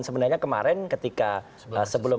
sebenarnya kemarin ketika sebelum